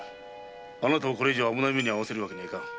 あなたをこれ以上危ない目に遭わせるわけにはいかぬ。